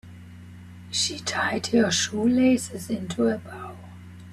She tied her shoelaces into a bow.